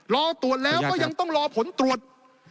รอตรวจแล้วก็ยังต้องรอผลตรวจ